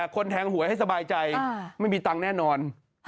คนแทงหวยให้สบายใจไม่มีตังค์แน่นอน